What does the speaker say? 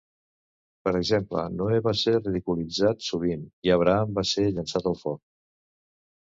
Per exemple, Noè va ser ridiculitzat sovint i Abraham va ser llençat al foc.